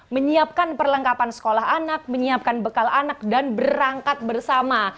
menyiapkan perlengkapan sekolah anak menyiapkan bekal anak dan berangkat bersama